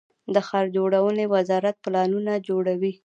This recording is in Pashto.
د ښار جوړونې وزارت پلانونه جوړوي